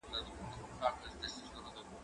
زه اوس پاکوالي ساتم؟!